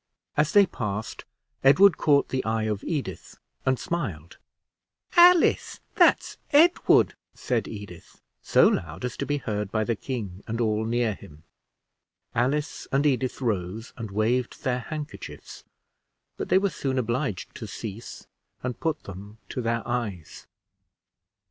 As they passed, Edward caught the eye of Edith, and smiled. "Alice, that's Edward!" said Edith, so loud, as to be heard by the king, and all near him. Alice and Edith rose and waved their handkerchiefs, but they were soon obliged to cease, and put them to their eyes.